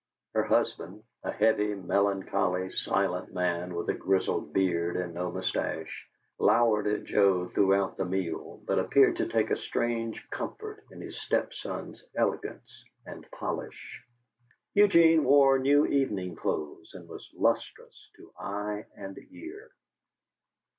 Her husband a heavy, melancholy, silent man with a grizzled beard and no mustache lowered at Joe throughout the meal, but appeared to take a strange comfort in his step son's elegance and polish. Eugene wore new evening clothes and was lustrous to eye and ear.